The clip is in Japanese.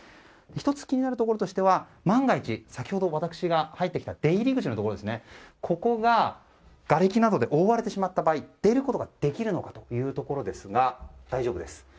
１つ気になるところとしては万が一、私が入ってきた出入り口のところここが、がれきなどで覆われてしまった場合出ることができるのかというところですが大丈夫です。